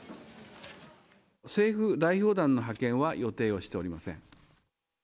政府代表団の派遣は、予定をしておりません。